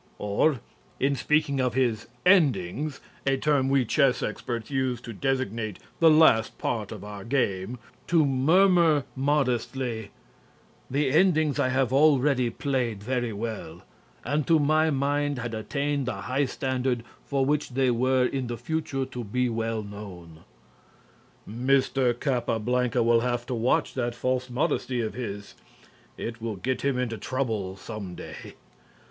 Or, in speaking of his "endings" (a term we chess experts use to designate the last part of our game), to murmur modestly: "The endings I already played very well, and to my mind had attained the high standard for which they were in the future to be well known." Mr. Capablanca will have to watch that false modesty of his. It will get him into trouble some day.